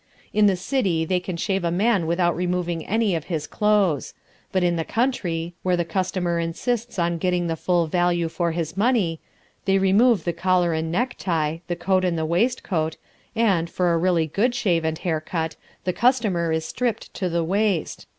In the city they can shave a man without removing any of his clothes. But in the country, where the customer insists on getting the full value for his money, they remove the collar and necktie, the coat and the waistcoat, and, for a really good shave and hair cut, the customer is stripped to the waist.